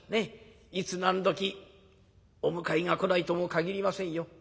いつ何時お迎えが来ないとも限りませんよ。